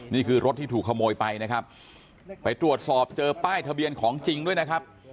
นี่คือรถที่ถูกขโมยไปนะครับไปตรวจสอบเจอป้ายทะเบียนของจริงด้วยนะครับ